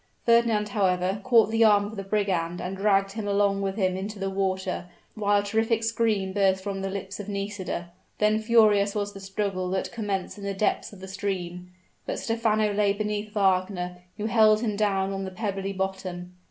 Fernand, however, caught the arm of the brigand and dragged him along with him into the water, while a terrific scream burst from the lips of Nisida. Then furious was the struggle that commenced in the depths of the stream. But Stephano lay beneath Wagner, who held him down on the pebbly bottom.